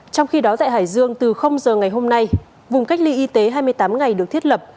trong khi đó tại hải dương từ giờ ngày hôm nay vùng cách ly y tế hai mươi tám ngày được thiết lập